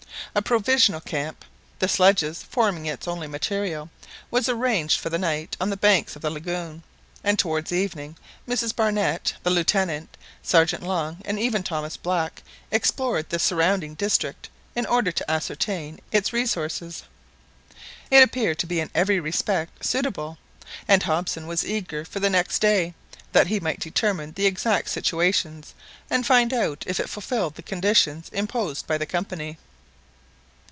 A provisional camp, the sledges forming its only material, was arranged for the night on the banks of the lagoon; and towards evening Mrs Barnett, the Lieutenant, Sergeant Long, and even Thomas Black, explored the surrounding district in order to ascertain its resources. It appeared to be in every respect suitable; and Hobson was eager for the next day, that he might determine the exact situations, and find out if it fulfilled the conditions imposed by the Company.